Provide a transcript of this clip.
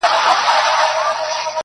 د د سترگو تور دې داسې تور وي